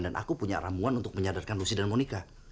dan aku punya ramuan untuk menyadarkan lucy dan monica